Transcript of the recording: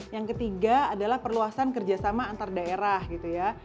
yang ketiga adalah perluasan kerjasama antar daerah gitu ya